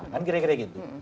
kan kira kira gitu